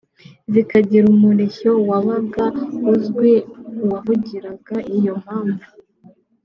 zikagira umurishyo wabaga uzwi wavugiraga iyo mpamvu